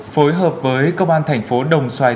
phối hợp với công an thành phố đồng xoài